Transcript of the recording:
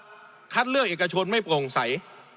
การคัดเลือกเอกชนไม่ผงใส